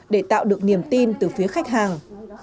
để tạo được niềm tin từ phía khách hàng